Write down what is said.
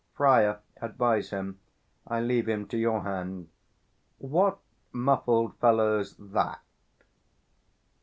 Friar, advise him; I leave him to your hand. What muffled fellow's that?